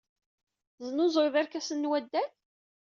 Tesnuzuyed irkasen n waddal?